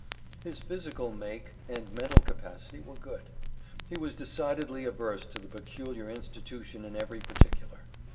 His physical make and mental capacity were good. He was decidedly averse to the peculiar institution in every particular.